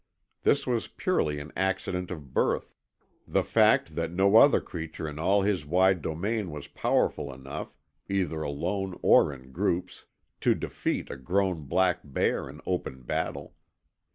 This was purely an accident of birth the fact that no other creature in all his wide domain was powerful enough, either alone or in groups, to defeat a grown black bear in open battle.